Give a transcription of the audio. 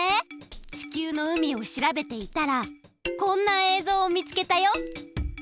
地球の海を調べていたらこんなえいぞうをみつけたよ。